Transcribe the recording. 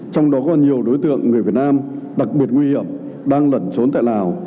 trong đó có nhiều đối tượng người việt nam đặc biệt nguy hiểm đang lẩn trốn tại lào